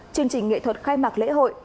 chương trình nghệ thuật khai mạc lễ hội